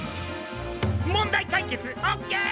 問題解決オッケー！